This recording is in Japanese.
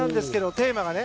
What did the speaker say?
テーマがね。